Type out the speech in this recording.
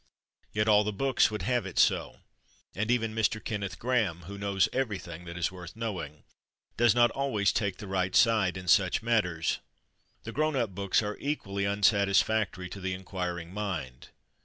Yet all the books would have it so, and even Mr. Kenneth Grahame, who knows every thing that is worth knowing, does not always take the right side in such matters. The grown up books are equally unsatisfactory to the inquiring mind.